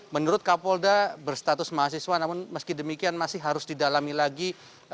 menurut kapolda berstatus mahasiswa namun meski demikian masih harus didalami lagi